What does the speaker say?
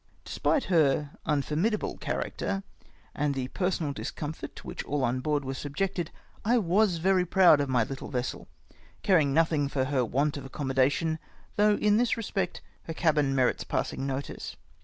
Despite her unformidable character, and the personal discomfort to which all on board were subjected, I was very proud of my little vessel, caring nothing for her want of accommodation, though in this respect her cabin merits passing notice.